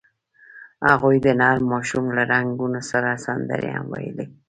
هغوی د نرم ماښام له رنګونو سره سندرې هم ویلې.